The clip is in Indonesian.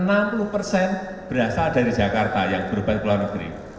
karena enam puluh persen berasal dari jakarta yang berubah ke luar negeri